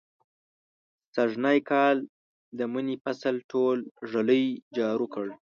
سږنی کال د مني فصل ټول ږلۍ جارو کړ.